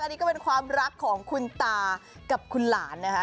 นี่ก็เป็นความรักของคุณตากับคุณหลานนะคะ